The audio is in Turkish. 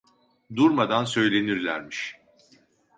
Durmadan söylenirlermiş.